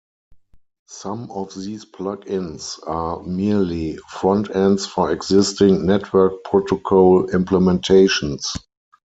Some of these plugins are merely front ends for existing network protocol implementations.